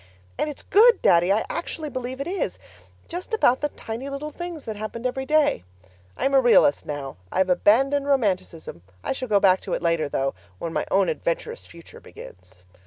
And it's good, Daddy, I actually believe it is just about the tiny little things that happened every day. I'm a realist now. I've abandoned romanticism; I shall go back to it later though, when my own adventurous future begins.